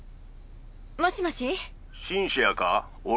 もしもし？